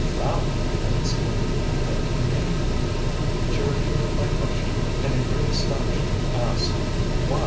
"Found!" I exclaimed; "what do you mean?" She repeated my question, and in great astonishment asked: "Why!